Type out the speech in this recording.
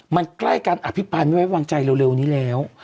มันใกล้การอภิปรายไม่ไว้วางใจเร็วนี้แล้ว